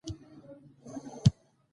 موږ باید د اسراف مخه ونیسو